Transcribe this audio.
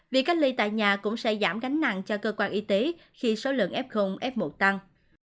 việc cách ly tại nhà cũng sẽ giảm gánh nặng cho cơ quan y tế khi số lượng f f một tăng